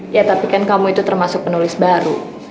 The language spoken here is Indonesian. ya tapi kan kamu itu termasuk penulis baru